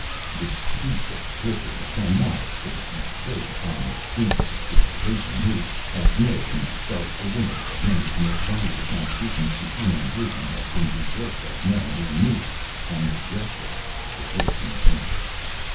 This piece of trickery cannot, of course, be played upon the students of civilisation, who, as Mill remarked, are aware that many of the most valuable contributions to human improvement have been the work of men who knew, and rejected, the Christian faith.